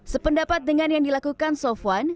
sependapat dengan yang dilakukan sofwan